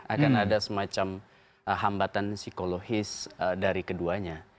akan ada semacam hambatan psikologis dari keduanya